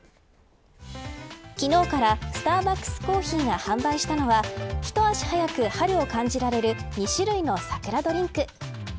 昨日からスターバックスコーヒーが販売したのは一足早く、春を感じられる２種類の桜ドリンク。